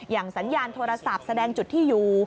สัญญาณโทรศัพท์แสดงจุดที่อยู่